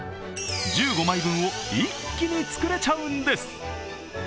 １５枚分を一気に作れちゃうんです。